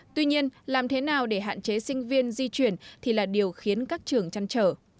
tuy nhiên làm thế nào để hạn chế sinh viên di chuyển thì là điều khiến các trường chăn trở